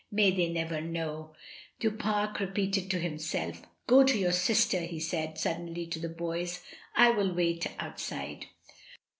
"May they never know," Du Pare re peated to himself. "Go to your sister," he said, suddenly, to the boys. "I will wait outside."